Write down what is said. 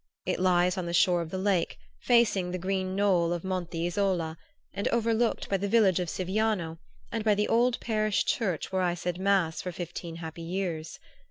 It lies on the shore of the lake, facing the green knoll of Monte Isola, and overlooked by the village of Siviano and by the old parish church where I said mass for fifteen happy years.